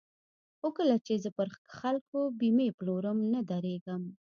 خو کله چې زه پر خلکو بېمې پلورم نه درېږم.